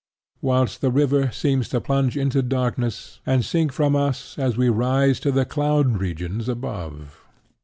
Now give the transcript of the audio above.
whilst the river seems to plunge into darkness and sink from us as we rise to the cloud regions above.